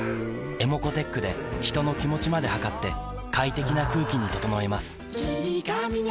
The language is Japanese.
ｅｍｏｃｏーｔｅｃｈで人の気持ちまで測って快適な空気に整えます